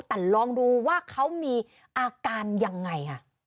แต่ลองดูว่าเขามีอาการยังไง